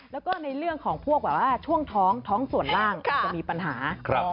แล้วก็ในเรื่องของพวกช่วงท้องท้องส่วนร่างจะมีปัญหา